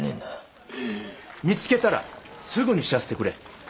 見つけたらすぐに知らせてくれ。